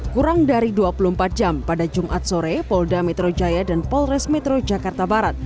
kurang dari dua puluh empat jam pada jumat sore polda metro jaya dan polres metro jakarta barat